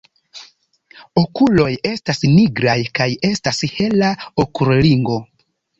Okuloj estas nigraj kaj estas hela okulringo.